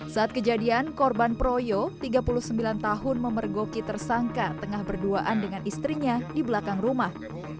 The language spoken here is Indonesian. saat kejadian korban proyo tiga puluh sembilan tahun memergoki tersangka tengah berduaan dengan istrinya di belakang rumah